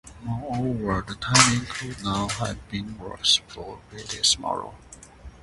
Moreover, the timing could not have been worse for British morale.